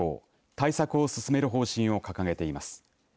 対策を進める方針を掲げています。